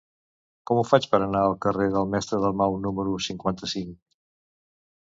Com ho faig per anar al carrer del Mestre Dalmau número cinquanta-cinc?